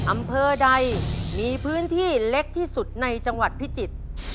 อำเภอใดมีพื้นที่เล็กที่สุดในจังหวัดพิจิตร